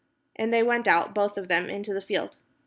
And they went out both of them into the field.